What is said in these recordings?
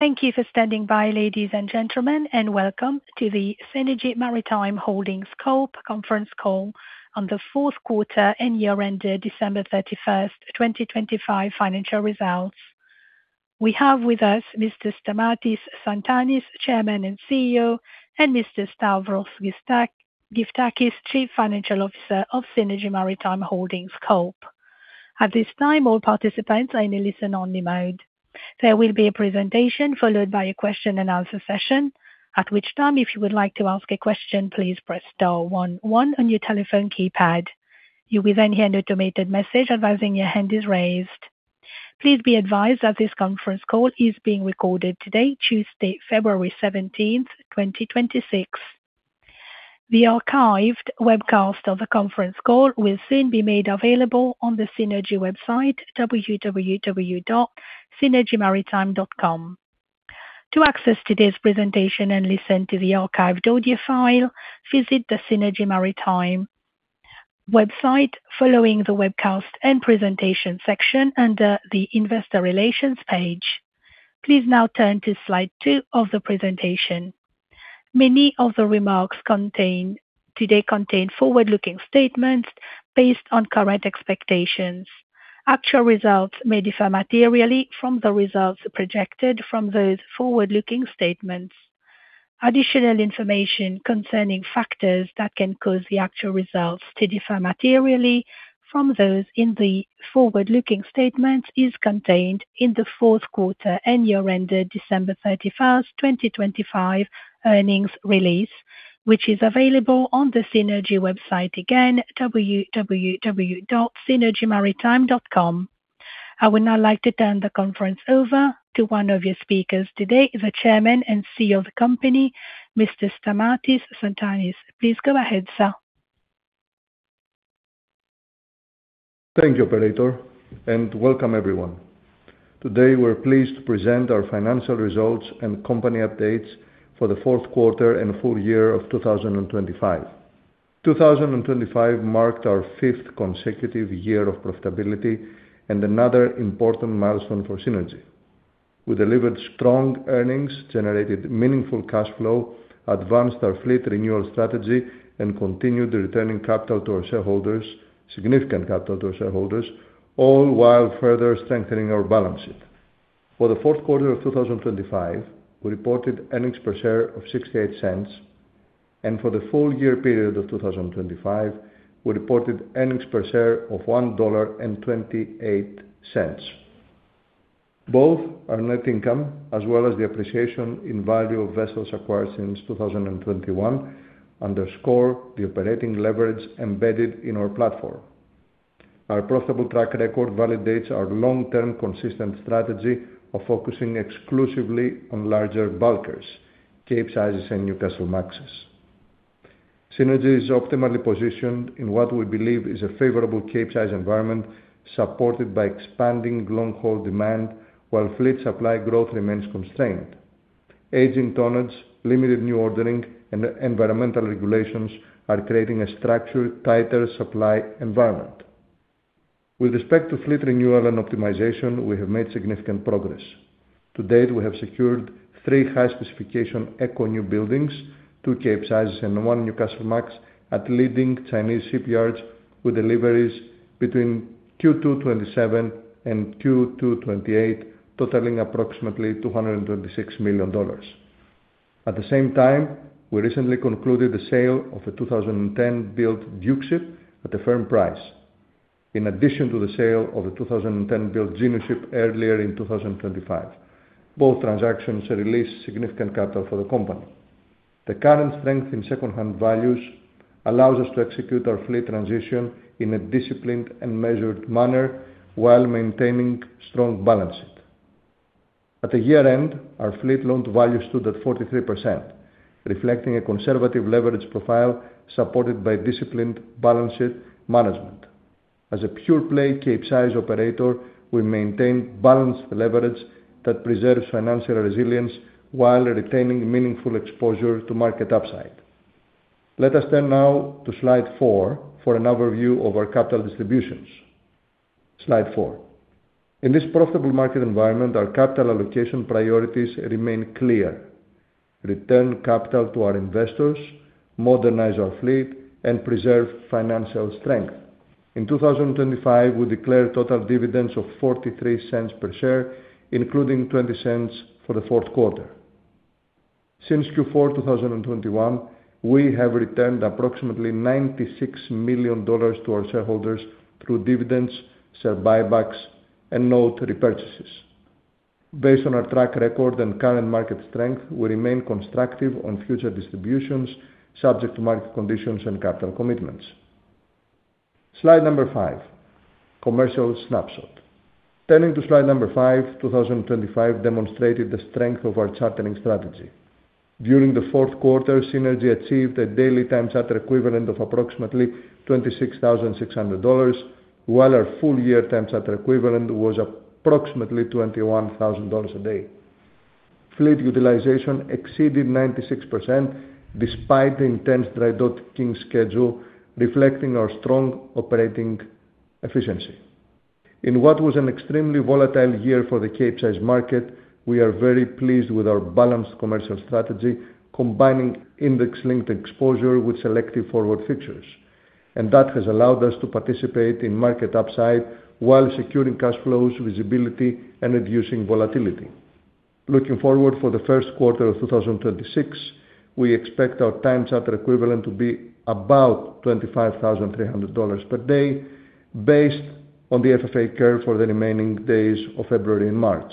Thank you for standing by, ladies and gentlemen, and welcome to the Seanergy Maritime Holdings Corp. conference call on the fourth quarter and year-ended December 31, 2025 financial results. We have with us Mr. Stamatis Tsantanis, Chairman and CEO, and Mr. Stavros Gyftakis, Chief Financial Officer of Seanergy Maritime Holdings Corp. At this time, all participants are in a listen-only mode. There will be a presentation, followed by a question-and-answer session. At which time, if you would like to ask a question, please press star one one on your telephone keypad. You will then hear an automated message advising your hand is raised. Please be advised that this conference call is being recorded today, Tuesday, February 17, 2026. The archived webcast of the conference call will soon be made available on the Seanergy website, www.seanergymaritime.com. To access today's presentation and listen to the archived audio file, visit the Seanergy Maritime website, following the Webcast and Presentation section under the Investor Relations page. Please now turn to slide 2 of the presentation. Many of the remarks today contain forward-looking statements based on current expectations. Actual results may differ materially from the results projected from those forward-looking statements. Additional information concerning factors that can cause the actual results to differ materially from those in the forward-looking statements is contained in the fourth quarter and year-ended December 31, 2025 earnings release, which is available on the Seanergy website, again, www.seanergymaritime.com. I would now like to turn the conference over to one of your speakers today, the Chairman and CEO of the company, Mr. Stamatis Tsantanis. Please go ahead, sir. Thank you, operator, and welcome everyone. Today, we're pleased to present our financial results and company updates for the fourth quarter and full year of 2025. 2025 marked our fifth consecutive year of profitability and another important milestone for Seanergy. We delivered strong earnings, generated meaningful cash flow, advanced our fleet renewal strategy, and continued returning capital to our shareholders, significant capital to our shareholders, all while further strengthening our balance sheet. For the fourth quarter of 2025, we reported earnings per share of $0.68, and for the full year period of 2025, we reported earnings per share of $1.28. Both our net income, as well as the appreciation in value of vessels acquired since 2021, underscore the operating leverage embedded in our platform. Our profitable track record validates our long-term consistent strategy of focusing exclusively on larger bulkers, Capesizes and Newcastlemaxes. Seanergy is optimally positioned in what we believe is a favorable Capesize environment, supported by expanding long-haul demand while fleet supply growth remains constrained. Aging tonnage, limited new ordering, and environmental regulations are creating a structured, tighter supply environment. With respect to fleet renewal and optimization, we have made significant progress. To date, we have secured three high-specification eco newbuildings, two Capesizes and one Newcastlemax, at leading Chinese shipyards, with deliveries between Q2 2027 and Q2 2028, totaling approximately $226 million. At the same time, we recently concluded the sale of a 2010-built Dukeship at a firm price. In addition to the sale of the 2010-built Geniuship earlier in 2025. Both transactions released significant capital for the company. The current strength in secondhand values allows us to execute our fleet transition in a disciplined and measured manner while maintaining strong balance sheet. At the year-end, our fleet loan-to-value stood at 43%, reflecting a conservative leverage profile supported by disciplined balance sheet management. As a pure-play Capesize operator, we maintain balanced leverage that preserves financial resilience while retaining meaningful exposure to market upside. Let us turn now to slide 4 for an overview of our capital distributions. Slide 4. In this profitable market environment, our capital allocation priorities remain clear: return capital to our investors, modernize our fleet, and preserve financial strength. In 2025, we declared total dividends of $0.43 per share, including $0.20 for the fourth quarter. Since Q4 2021, we have returned approximately $96 million to our shareholders through dividends, share buybacks, and note repurchases. Based on our track record and current market strength, we remain constructive on future distributions, subject to market conditions and capital commitments. Slide 5, commercial snapshot. Turning to Slide 5, 2025 demonstrated the strength of our chartering strategy. During the fourth quarter, Seanergy achieved a daily time charter equivalent of approximately $26,600, while our full year time charter equivalent was approximately $21,000 a day. Fleet utilization exceeded 96%, despite the intense drydocking schedule, reflecting our strong operating efficiency. In what was an extremely volatile year for the Capesize market, we are very pleased with our balanced commercial strategy, combining index-linked exposure with selective forward features. That has allowed us to participate in market upside while securing cash flows, visibility, and reducing volatility. Looking forward for the first quarter of 2026, we expect our time charter equivalent to be about $25,300 per day based on the FFA curve for the remaining days of February and March.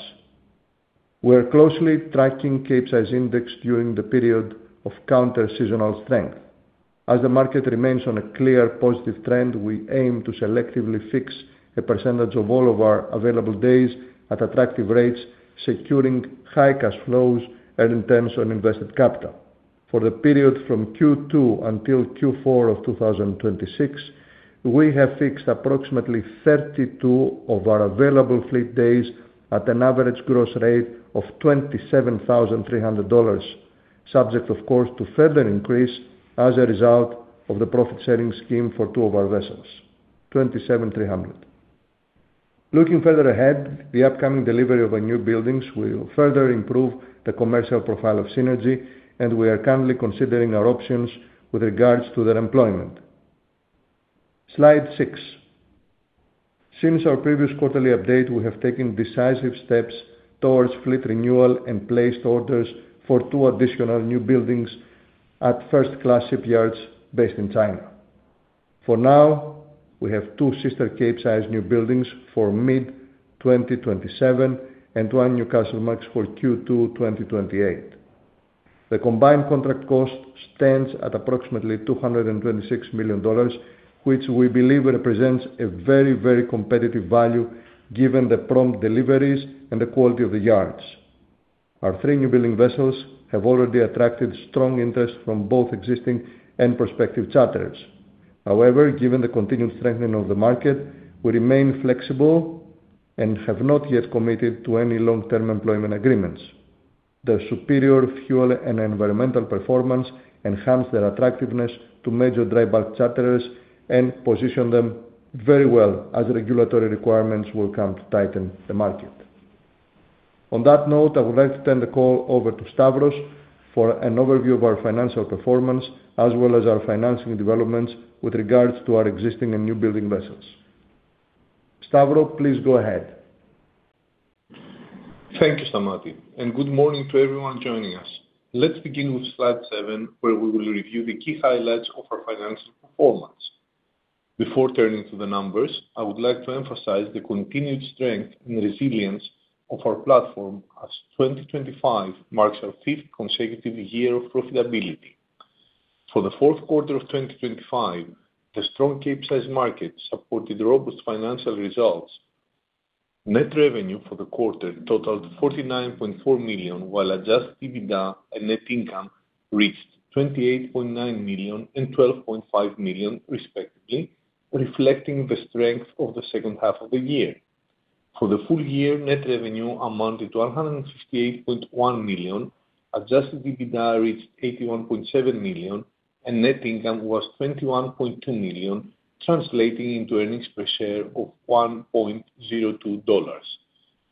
We are closely tracking Capesize Index during the period of counter-seasonal strength. As the market remains on a clear positive trend, we aim to selectively fix a percentage of all of our available days at attractive rates, securing high cash flows and returns on invested capital. For the period from Q2 until Q4 of 2026, we have fixed approximately 32 of our available fleet days at an average gross rate of $27,300, subject of course to further increase as a result of the profit-sharing scheme for two of our vessels, $27,300. Looking further ahead, the upcoming delivery of our newbuildings will further improve the commercial profile of Seanergy, and we are currently considering our options with regards to their employment. Slide 6. Since our previous quarterly update, we have taken decisive steps towards fleet renewal and placed orders for 2 additional newbuildings at first-class shipyards based in China. For now, we have 2 sister Capesize newbuildings for mid-2027 and one Newcastlemax for Q2 2028. The combined contract cost stands at approximately $226 million, which we believe represents a very, very competitive value, given the prompt deliveries and the quality of the yards. Our three newbuilding vessels have already attracted strong interest from both existing and prospective charterers. However, given the continued strengthening of the market, we remain flexible and have not yet committed to any long-term employment agreements. Their superior fuel and environmental performance enhance their attractiveness to major dry bulk charterers and position them very well as regulatory requirements will come to tighten the market. On that note, I would like to turn the call over to Stavros for an overview of our financial performance, as well as our financing developments with regards to our existing and newbuilding vessels. Stavros, please go ahead. Thank you, Stamatis, and good morning to everyone joining us. Let's begin with slide 7, where we will review the key highlights of our financial performance. Before turning to the numbers, I would like to emphasize the continued strength and resilience of our platform as 2025 marks our fifth consecutive year of profitability. For the fourth quarter of 2025, the strong Capesize market supported robust financial results. Net revenue for the quarter totaled $49.4 million, while adjusted EBITDA and net income reached $28.9 million and $12.5 million, respectively, reflecting the strength of the second half of the year. For the full year, net revenue amounted to $158.1 million, adjusted EBITDA reached $81.7 million, and net income was $21.2 million, translating into earnings per share of $1.02.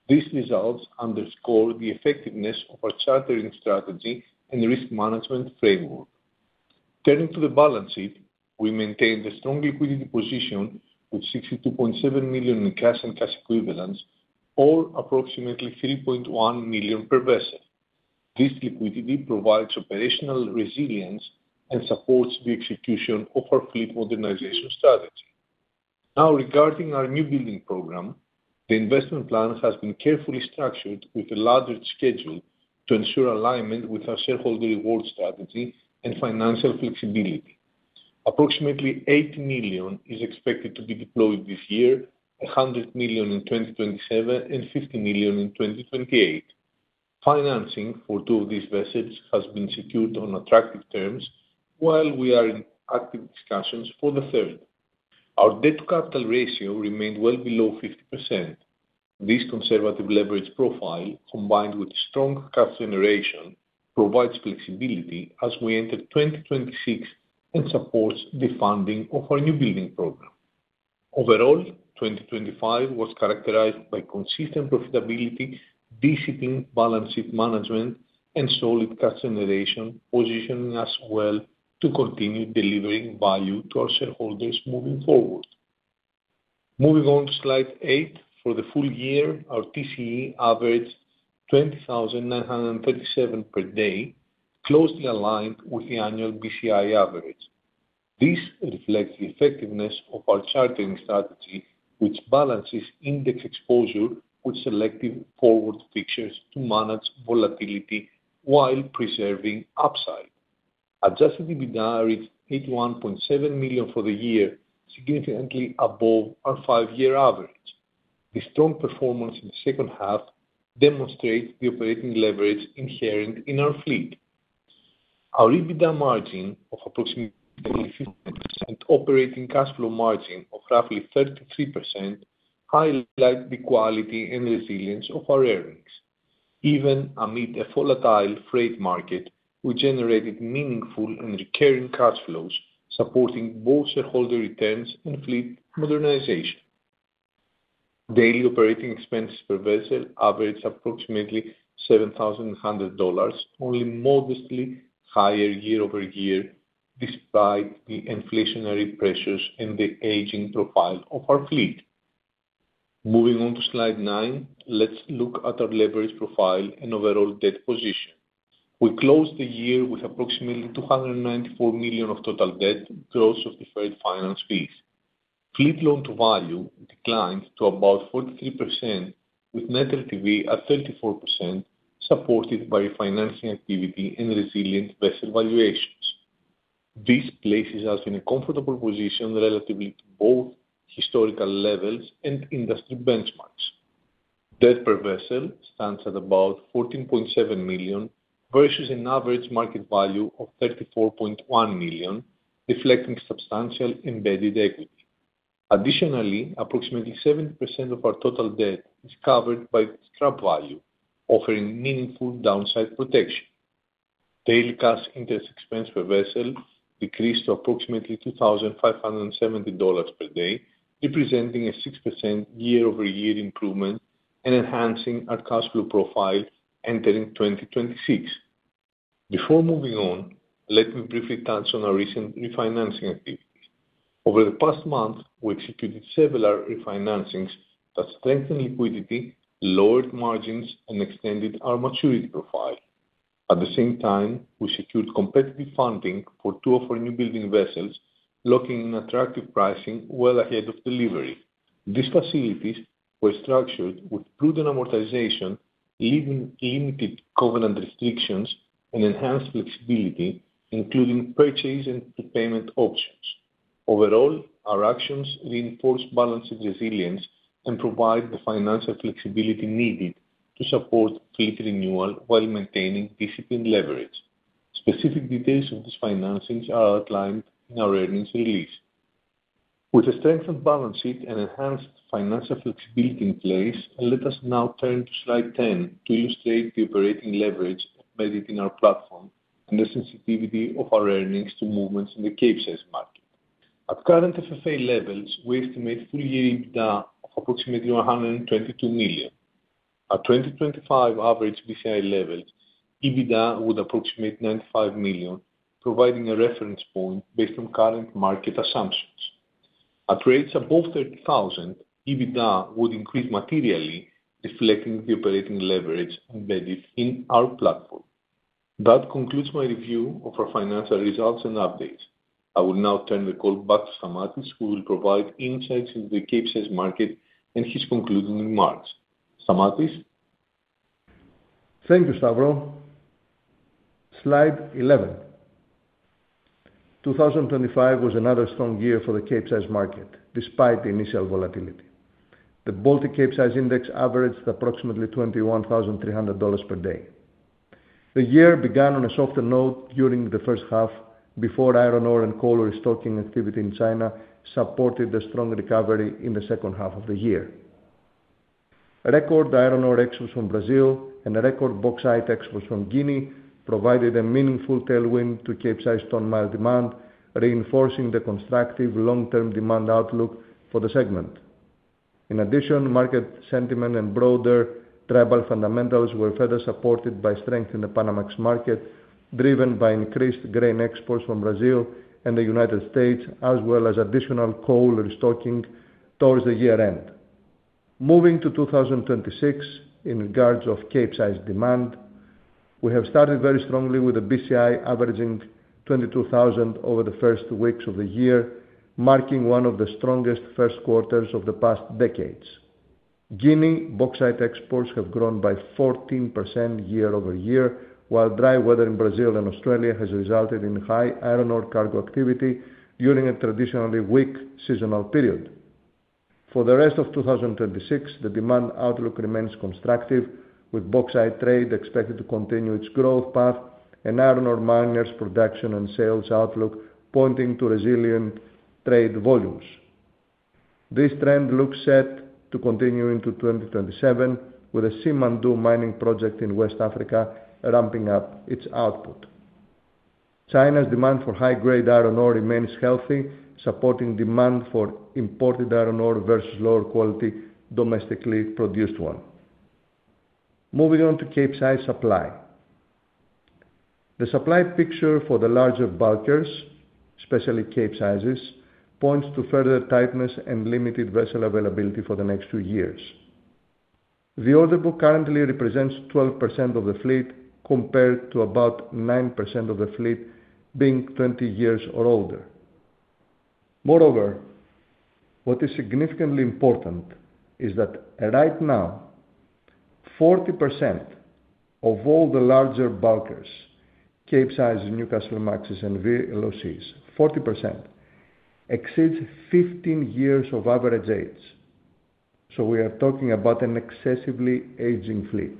These results underscore the effectiveness of our chartering strategy and risk management framework. Turning to the balance sheet, we maintained a strong liquidity position with $62.7 million in cash and cash equivalents, or approximately $3.1 million per vessel. This liquidity provides operational resilience and supports the execution of our fleet modernization strategy. Now, regarding our newbuilding program, the investment plan has been carefully structured with a larger schedule to ensure alignment with our shareholder reward strategy and financial flexibility. Approximately $80 million is expected to be deployed this year, $100 million in 2027, and $50 million in 2028. Financing for two of these vessels has been secured on attractive terms, while we are in active discussions for the third. Our debt-to-capital ratio remained well below 50%. This conservative leverage profile, combined with strong cash generation, provides flexibility as we enter 2026 and supports the funding of our newbuilding program. Overall, 2025 was characterized by consistent profitability, disciplined balance sheet management, and solid cash generation, positioning us well to continue delivering value to our shareholders moving forward. Moving on to slide 8. For the full year, our TCE averaged 20,937 per day, closely aligned with the annual BCI average. This reflects the effectiveness of our chartering strategy, which balances index exposure with selective forward fixtures to manage volatility while preserving upside. Adjusted EBITDA reached $81.7 million for the year, significantly above our five-year average. The strong performance in the second half demonstrates the operating leverage inherent in our fleet. Our EBITDA margin of approximately 50%, operating cash flow margin of roughly 33%, highlight the quality and resilience of our earnings. Even amid a volatile freight market, we generated meaningful and recurring cash flows, supporting both shareholder returns and fleet modernization. Daily operating expenses per vessel averaged approximately $7,100, only modestly higher year-over-year, despite the inflationary pressures and the aging profile of our fleet. Moving on to Slide nine, let's look at our leverage profile and overall debt position. We closed the year with approximately $294 million of total debt, gross of deferred finance fees. Fleet Loan-to-Value declined to about 43%, with net LTV at 34%, supported by refinancing activity and resilient vessel valuations. This places us in a comfortable position relative to both historical levels and industry benchmarks. Debt per vessel stands at about $14.7 million, versus an average market value of $34.1 million, reflecting substantial embedded equity. Additionally, approximately 70% of our total debt is covered by scrap value, offering meaningful downside protection. Daily cash interest expense per vessel decreased to approximately $2,570 per day, representing a 6% year-over-year improvement and enhancing our cash flow profile entering 2026. Before moving on, let me briefly touch on our recent refinancing activity. Over the past month, we executed several refinancings that strengthened liquidity, lowered margins, and extended our maturity profile. At the same time, we secured competitive funding for two of our newbuilding vessels, locking in attractive pricing well ahead of delivery. These facilities were structured with prudent amortization, leaving limited covenant restrictions and enhanced flexibility, including purchase and prepayment options. Overall, our actions reinforce balancing resilience and provide the financial flexibility needed to support fleet renewal while maintaining disciplined leverage. Specific details of this financings are outlined in our earnings release. With a strengthened balance sheet and enhanced financial flexibility in place, let us now turn to Slide 10 to illustrate the operating leverage embedded in our platform and the sensitivity of our earnings to movements in the Capesize market. At current FFA levels, we estimate full-year EBITDA of approximately $122 million. At 2025 average BCI levels, EBITDA would approximate $95 million, providing a reference point based on current market assumptions. At rates above 30,000, EBITDA would increase materially, reflecting the operating leverage embedded in our platform. That concludes my review of our financial results and updates. I will now turn the call back to Stamatis, who will provide insights into the Capesize market and his concluding remarks. Stamatis? Thank you, Stavros. Slide 11. 2025 was another strong year for the Capesize market, despite the initial volatility. The Baltic Capesize Index averaged approximately $21,300 per day. The year began on a softer note during the first half, before iron ore and coal restocking activity in China supported a strong recovery in the second half of the year. Record iron ore exports from Brazil and record bauxite exports from Guinea provided a meaningful tailwind to Capesize tonne-mile demand, reinforcing the constructive long-term demand outlook for the segment. In addition, market sentiment and broader dry bulk fundamentals were further supported by strength in the Panamax market, driven by increased grain exports from Brazil and the United States, as well as additional coal restocking towards the year-end. Moving to 2026, in regards of Capesize demand, we have started very strongly with the BCI averaging 22,000 over the first weeks of the year, marking one of the strongest first quarters of the past decades. Guinea bauxite exports have grown by 14% year-over-year, while dry weather in Brazil and Australia has resulted in high iron ore cargo activity during a traditionally weak seasonal period. For the rest of 2026, the demand outlook remains constructive, with bauxite trade expected to continue its growth path and iron ore miners' production and sales outlook pointing to resilient trade volumes. This trend looks set to continue into 2027, with the Simandou mining project in West Africa ramping up its output. China's demand for high-grade iron ore remains healthy, supporting demand for imported iron ore versus lower quality, domestically produced one. Moving on to Capesize supply. The supply picture for the larger bulkers, especially Capesizes, points to further tightness and limited vessel availability for the next 2 years. The order book currently represents 12% of the fleet, compared to about 9% of the fleet being 20 years or older. Moreover, what is significantly important is that right now, 40% of all the larger bulkers, Capesize, Newcastlemaxes, and VLOCs, 40% exceeds 15 years of average age, so we are talking about an excessively aging fleet.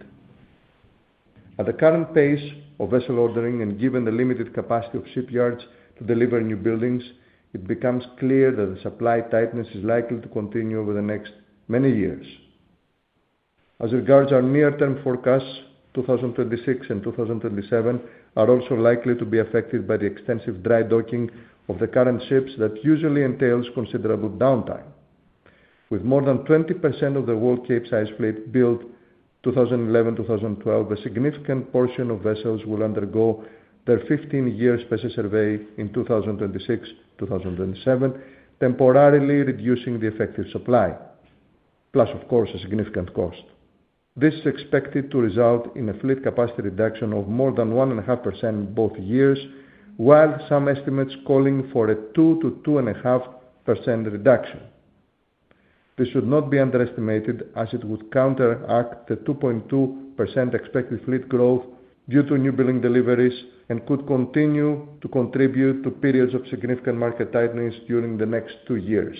At the current pace of vessel ordering, and given the limited capacity of shipyards to deliver newbuildings, it becomes clear that the supply tightness is likely to continue over the next many years. As regards our near-term forecasts, 2026 and 2027 are also likely to be affected by the extensive dry docking of the current ships that usually entails considerable downtime. With more than 20% of the world Capesize fleet built 2011, 2012, a significant portion of vessels will undergo their 15-year special survey in 2026, 2027, temporarily reducing the effective supply, plus, of course, a significant cost. This is expected to result in a fleet capacity reduction of more than 1.5% both years, while some estimates calling for a 2%-2.5% reduction. This should not be underestimated, as it would counteract the 2.2% expected fleet growth due to newbuilding deliveries and could continue to contribute to periods of significant market tightness during the next two years.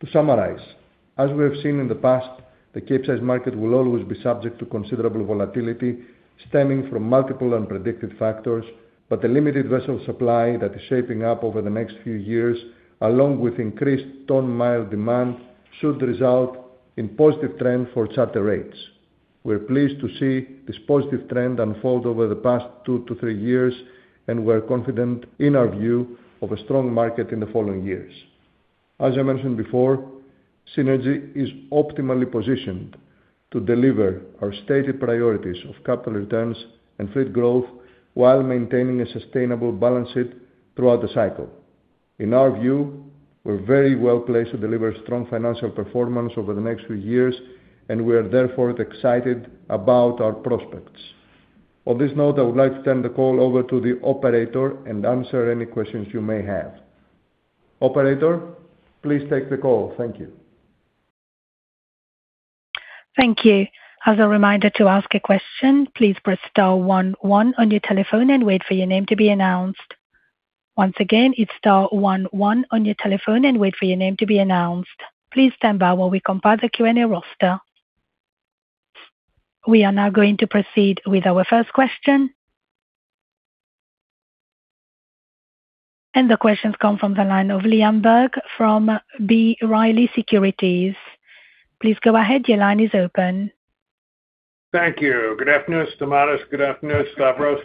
To summarize, as we have seen in the past, the Capesize market will always be subject to considerable volatility stemming from multiple unpredicted factors, but the limited vessel supply that is shaping up over the next few years, along with increased ton mile demand, should result in positive trend for charter rates. We're pleased to see this positive trend unfold over the past two to three years, and we're confident in our view of a strong market in the following years. As I mentioned before, Seanergy is optimally positioned to deliver our stated priorities of capital returns and fleet growth while maintaining a sustainable balance sheet throughout the cycle. In our view, we're very well placed to deliver strong financial performance over the next few years, and we are therefore excited about our prospects. On this note, I would like to turn the call over to the operator and answer any questions you may have. Operator, please take the call. Thank you. Thank you. As a reminder, to ask a question, please press star one one on your telephone and wait for your name to be announced. Once again, it's star one one on your telephone and wait for your name to be announced. Please stand by while we compile the Q&A roster. We are now going to proceed with our first question. The questions come from the line of Liam Burke from B. Riley Securities. Please go ahead. Your line is open. Thank you. Good afternoon, Stamatis. Good afternoon, Stavros.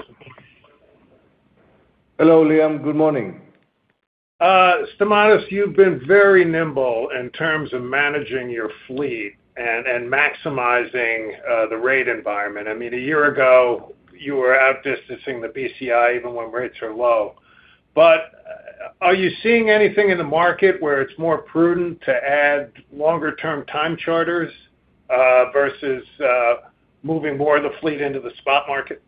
Hello, Liam. Good morning. Stamatis, you've been very nimble in terms of managing your fleet and and maximizing the rate environment. I mean, a year ago, you were outdistancing the BCI, even when rates are low. But are you seeing anything in the market where it's more prudent to add longer-term time charters versus moving more of the fleet into the spot market?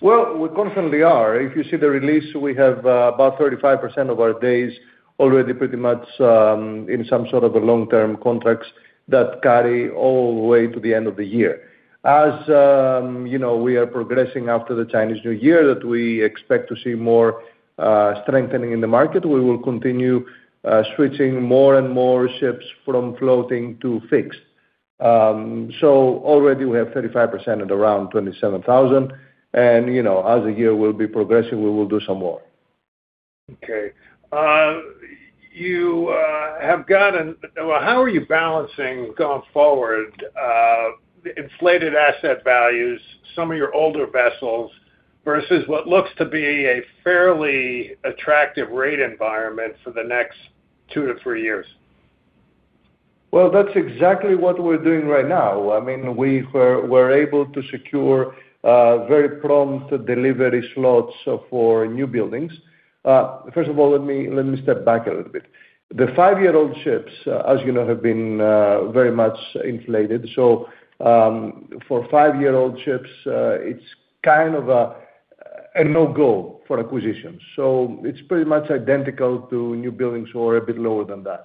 Well, we constantly are. If you see the release, we have about 35% of our days already pretty much in some sort of long-term contracts that carry all the way to the end of the year. As you know, we are progressing after the Chinese New Year, that we expect to see more strengthening in the market, we will continue switching more and more ships from floating to fixed. So already we have 35% at around $27,000, and you know, as the year will be progressing, we will do some more. Okay. Well, how are you balancing going forward the inflated asset values, some of your older vessels, versus what looks to be a fairly attractive rate environment for the next 2-3 years? Well, that's exactly what we're doing right now. I mean, we were, we're able to secure very prompt delivery slots for newbuildings. First of all, let me, let me step back a little bit. The five-year-old ships, as you know, have been very much inflated. So, for five-year-old ships, it's kind of a no-go for acquisitions. So it's pretty much identical to newbuildings or a bit lower than that.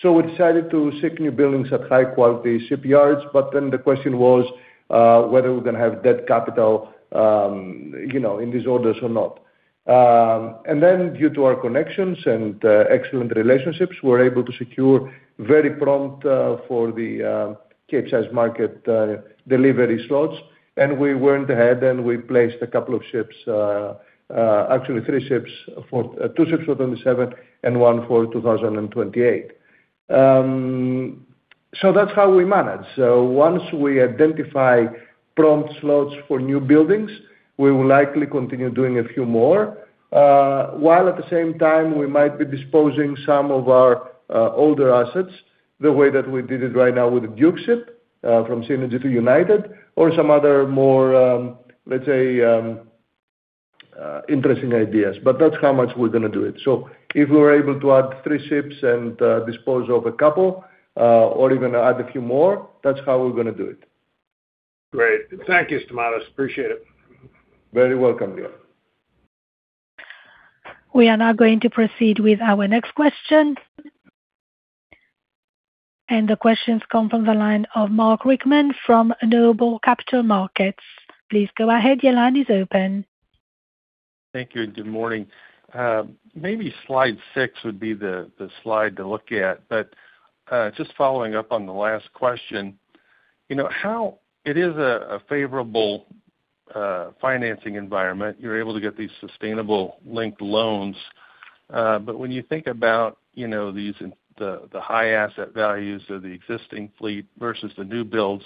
So we decided to seek newbuildings at high-quality shipyards, but then the question was whether we're gonna have debt capital, you know, in these orders or not. And then due to our connections and excellent relationships, we're able to secure very prompt for the Capesize market delivery slots, and we went ahead, and we placed a couple of ships, actually three ships for... Two ships for 2027 and one for 2028. So that's how we manage. So once we identify prompt slots for newbuildings, we will likely continue doing a few more, while at the same time we might be disposing some of our, older assets, the way that we did it right now with the Dukeship, from Seanergy to United or some other more, let's say, interesting ideas, but that's how much we're gonna do it. So if we're able to add 3 ships and, dispose of a couple, or even add a few more, that's how we're gonna do it. Great. Thank you, Stamatis. Appreciate it. Very welcome, Liam. We are now going to proceed with our next question. The questions come from the line of Mark Reichman from Noble Capital Markets. Please go ahead. Your line is open.... Thank you, and good morning. Maybe slide six would be the slide to look at, but just following up on the last question, you know, how it is a favorable financing environment, you're able to get these sustainable linked loans, but when you think about, you know, these, the high asset values of the existing fleet versus the new builds,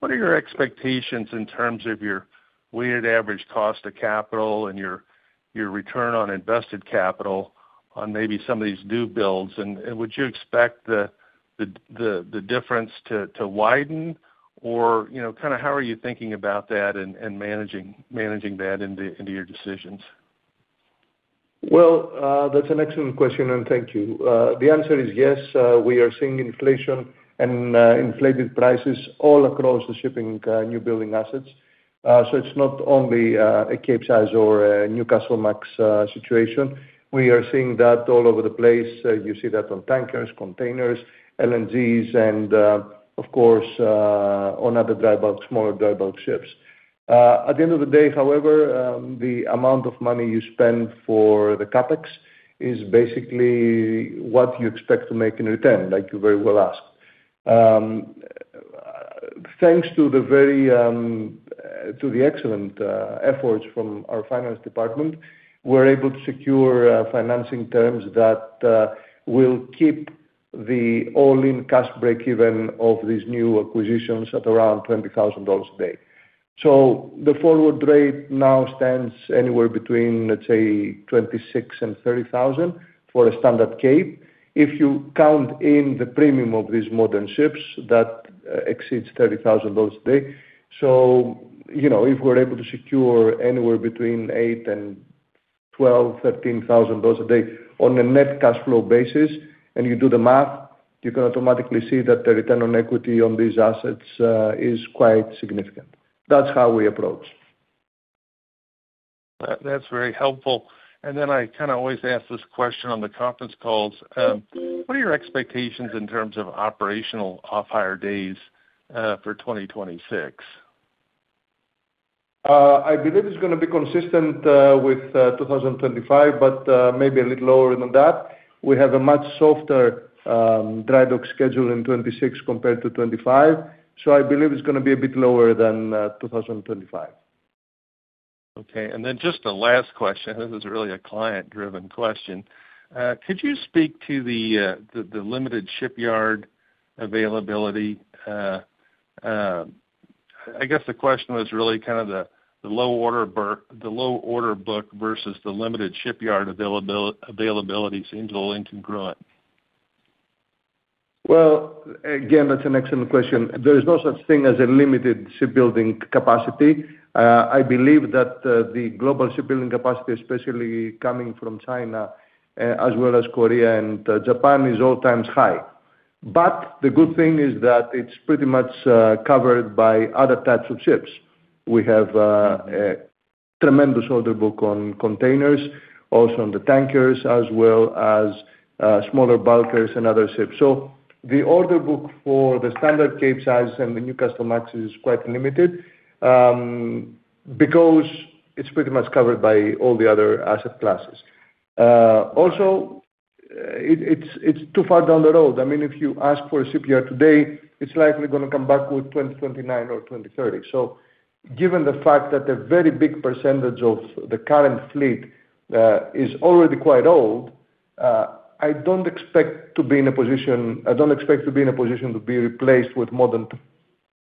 what are your expectations in terms of your weighted average cost of capital and your return on invested capital on maybe some of these new builds? And would you expect the difference to widen or, you know, kind of how are you thinking about that and managing that into your decisions? Well, that's an excellent question, and thank you. The answer is yes, we are seeing inflation and inflated prices all across the shipping newbuilding assets. So it's not only a Capesize or a Newcastlemax situation. We are seeing that all over the place. You see that on tankers, containers, LNGs, and of course on other dry bulk, smaller dry bulk ships. At the end of the day, however, the amount of money you spend for the CapEx is basically what you expect to make in return, like you very well asked. Thanks to the very to the excellent efforts from our finance department, we're able to secure financing terms that will keep the all-in cash breakeven of these new acquisitions at around $20,000 a day. So the forward rate now stands anywhere between, let's say, $26,000 and $30,000 for a standard Cape. If you count in the premium of these modern ships, that exceeds $30,000 a day. So, you know, if we're able to secure anywhere between $8,000 and $12,000-$13,000 a day on a net cash flow basis, and you do the math, you can automatically see that the return on equity on these assets is quite significant. That's how we approach. That's very helpful. And then I kind of always ask this question on the conference calls: what are your expectations in terms of operational off-hire days, for 2026? I believe it's gonna be consistent with 2025, but maybe a little lower than that. We have a much softer dry dock schedule in 2026 compared to 2025. So I believe it's gonna be a bit lower than 2025. Okay. And then just a last question, this is really a client-driven question. Could you speak to the limited shipyard availability? I guess the question was really kind of the low order book versus the limited shipyard availability seems a little incongruent. Well, again, that's an excellent question. There is no such thing as a limited shipbuilding capacity. I believe that the global shipbuilding capacity, especially coming from China, as well as Korea and Japan, is all-time high. But the good thing is that it's pretty much covered by other types of ships. We have a tremendous order book on containers, also on the tankers, as well as smaller bulkers and other ships. So the order book for the standard Capesize and the Newcastlemax is quite limited, because it's pretty much covered by all the other asset classes. Also, it's too far down the road. I mean, if you ask for a Capesize today, it's likely gonna come back with 2029 or 2030. So given the fact that a very big percentage of the current fleet is already quite old, I don't expect to be in a position to be replaced with modern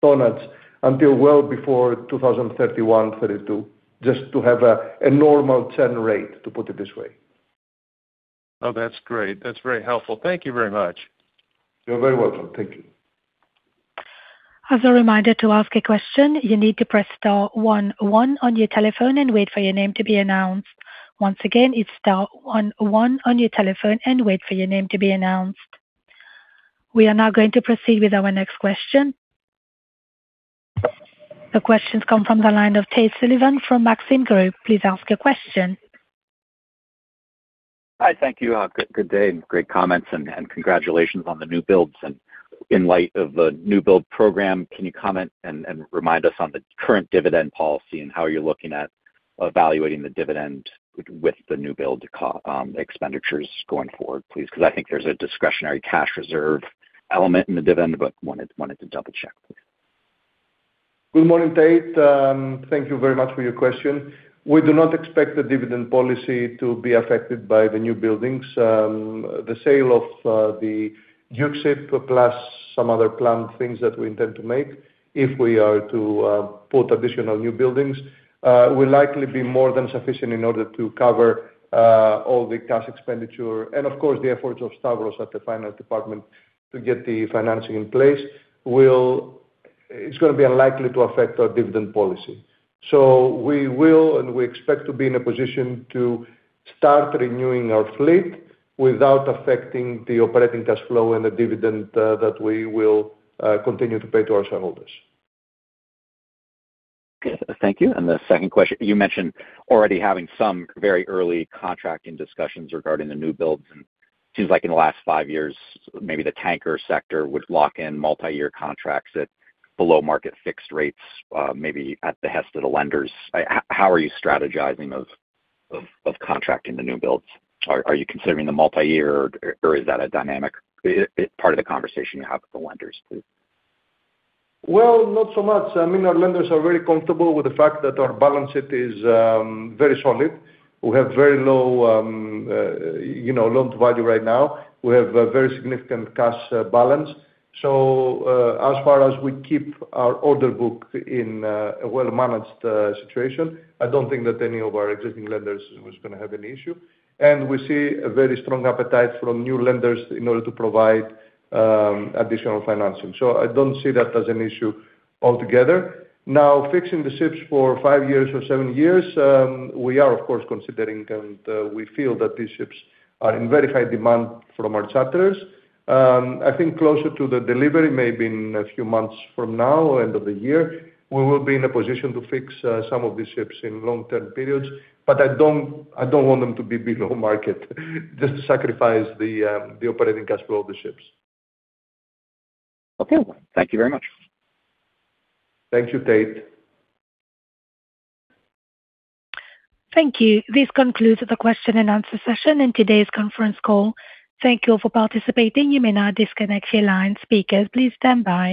tonnages until well before 2031, 2032, just to have a normal churn rate, to put it this way. Oh, that's great. That's very helpful. Thank you very much. You're very welcome. Thank you. As a reminder, to ask a question, you need to press star one one on your telephone and wait for your name to be announced. Once again, it's star one one on your telephone and wait for your name to be announced. We are now going to proceed with our next question. The questions come from the line of Tate Sullivan from Maxim Group. Please ask your question. Hi, thank you. Good day, and great comments, and congratulations on the new builds. In light of the new build program, can you comment and remind us on the current dividend policy and how you're looking at evaluating the dividend with the new build expenditures going forward, please? Because I think there's a discretionary cash reserve element in the dividend, but wanted to double-check. Good morning, Tate. Thank you very much for your question. We do not expect the dividend policy to be affected by the newbuildings. The sale of the Duke ship, plus some other planned things that we intend to make, if we are to put additional newbuildings, will likely be more than sufficient in order to cover all the cash expenditure. And of course, the efforts of Stavros at the finance department to get the financing in place will... It's gonna be unlikely to affect our dividend policy. So we will, and we expect to be in a position to start renewing our fleet without affecting the operating cash flow and the dividend that we will continue to pay to our shareholders. Thank you. The second question: You mentioned already having some very early contracting discussions regarding the new builds, and it seems like in the last five years, maybe the tanker sector would lock in multi-year contracts at below-market fixed rates, maybe at the behest of the lenders. How are you strategizing of contracting the new builds? Are you considering the multi-year or is that a dynamic part of the conversation you have with the lenders, please? Well, not so much. I mean, our lenders are very comfortable with the fact that our balance sheet is very solid. We have very low, you know, loan-to-value right now. We have a very significant cash balance. So, as far as we keep our order book in a well-managed situation, I don't think that any of our existing lenders is gonna have an issue. And we see a very strong appetite from new lenders in order to provide additional financing. So I don't see that as an issue altogether. Now, fixing the ships for five years or seven years, we are, of course, considering, and we feel that these ships are in very high demand from our charters. I think closer to the delivery, maybe in a few months from now, end of the year, we will be in a position to fix some of these ships in long-term periods, but I don't want them to be below market, just to sacrifice the operating cash flow of the ships. Okay. Thank you very much. Thank you, Tate. Thank you. This concludes the question and answer session in today's conference call. Thank you all for participating. You may now disconnect your line. Speakers, please stand by.